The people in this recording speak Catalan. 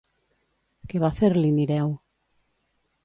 Què va fer-li Nireu?